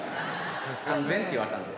安全って言われたんで。